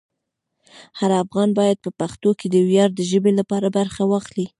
هر افغان باید په پښتو کې د ویاړ د ژبې لپاره برخه واخلي.